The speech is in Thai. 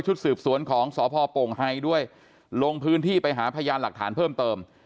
สืบสวนของสพโป่งไฮด้วยลงพื้นที่ไปหาพยานหลักฐานเพิ่มเติม